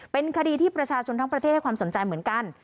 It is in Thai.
เป็นคดีที่ประชาชนทั้งประเทศให้ความสนใจเหมือนกัน